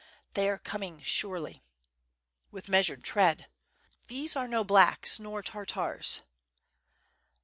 "They are coming, surely." "With measured tread." "These are no 'blacks,* nor Tartars."